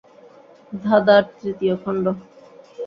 ধাঁধার তৃতীয় খণ্ড।